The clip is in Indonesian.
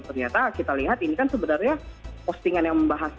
ternyata kita lihat ini kan sebenarnya postingan yang membahas